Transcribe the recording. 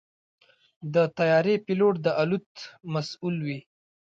د طیارې پيلوټ د الوت مسؤل وي.